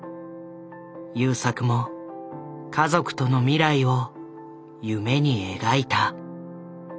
優作も家族との未来を夢に描いた。